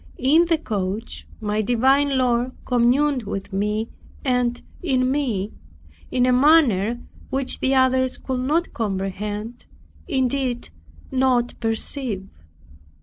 In the coach, my divine Lord communed with me, and in me, in a manner which the others could not comprehend, indeed not perceive.